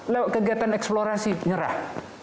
lewat kegiatan eksplorasi nyerah